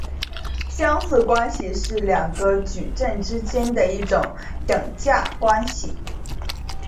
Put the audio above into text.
相似关系是两个矩阵之间的一种等价关系。